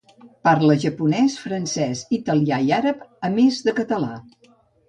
Parla japonès, francès, italià i àrab, a més de català.